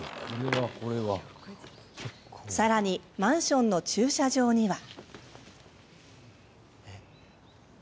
さらにマンションの駐車場には。